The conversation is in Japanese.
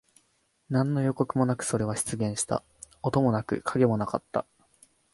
何の予告もなく、それは出現した。音もなく、影もなかった。